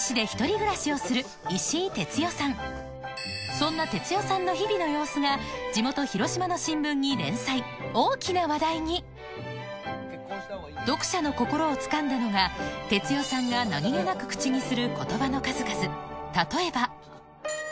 そんな哲代さんの日々の様子が地元広島の新聞に連載大きな話題に読者の心をつかんだのが哲代さんが例えばを教えてもらいます